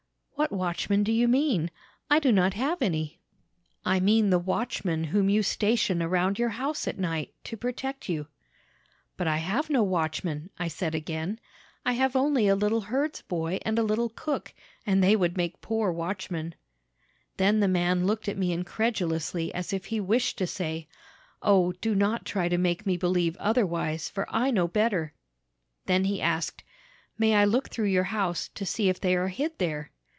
"'What watchmen do you mean? I do not have any.' "'I mean the watchmen whom you station around your house at night, to protect you.' "'But I have no watchmen,' I said again; 'I have only a little herdsboy and a little cook, and they would make poor watchmen.' "Then the man looked at me incredulously, as if he wished to say, 'O, do not try to make me believe otherwise, for I know better!' "Then he asked, 'May I look through your house, to see if they are hid there?'